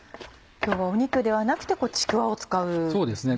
今日は肉ではなくてちくわを使うんですね。